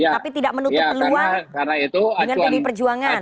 tapi tidak menutup peluang dengan pdi perjuangan